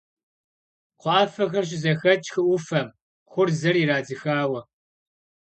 Кхъуафэхэр щызэхэтщ хы Ӏуфэм, хъурзэр ирадзыхауэ.